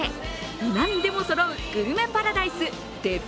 何でもそろうグルメパラダイスデパ